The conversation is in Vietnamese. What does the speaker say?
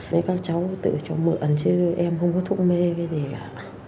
mấy các cháu tự cho mượn chứ em không có thuốc mê cái gì cả ạ